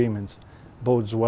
cũng tốt cho fdi